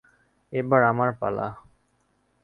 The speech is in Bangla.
এবার আমার পালা।